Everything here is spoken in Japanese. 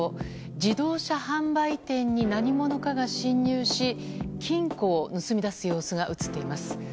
自動車販売店に何者かが侵入し金庫を盗み出す様子が映っています。